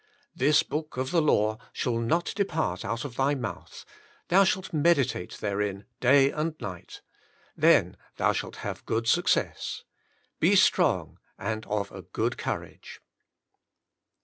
This book of the law shall not depart out of thy mouth ; Thou Shalt Medi tate Therein Day and Night ... Then thou shalt have good success. ... Be strong and of a good courage.'